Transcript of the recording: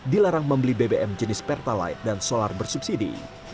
dilarang membeli bbm jenis pertalite dan solar bersubsidi